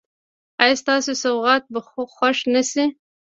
ایا ستاسو سوغات به خوښ نه شي؟